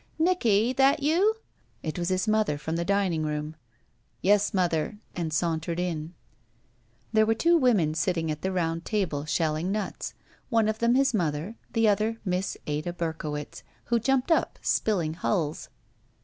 •'Nicky, that you?" It was his mother, from the dining roonL Yes, mother," and sauntered in. 2S7 ROULETTE There were two women sitting at the round table, shelling nuts. One of them his mother, the other Miss Ada Berkowitz, who jumped up, spilling hulls.